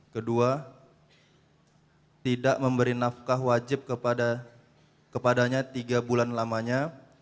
kedua tidak memberi nafkah wajib kepadanya tiga bulan lamanya